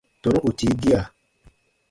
Tɔnu ù tii gia.